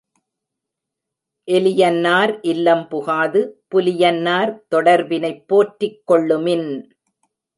எலி யன்னார் இல்லம் புகாது, புலி யன்னார் தொடர்பினைப் போற்றிக் கொள்ளுமின்!